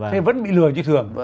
thì vẫn bị lừa như thường